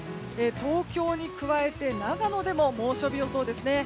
東京に加えて長野でも猛暑日予想ですね。